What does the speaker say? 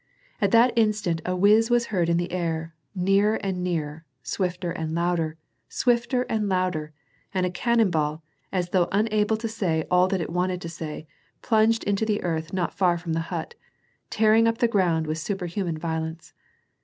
At that instant a whiz was heard in the air ; nearer and nearer ; swifter and louder, swifter and louder, and a cannon ball, as though unable to say all that it wanted to say, plunged into the earth not far from the hut, tearing up the ground with superhuman violence.